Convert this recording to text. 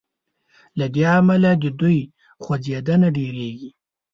له دې امله د دوی خوځیدنه ډیریږي.